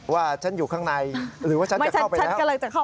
ว่าฉันอยู่ข้างในหรือว่าฉันจะเข้าไปแล้ว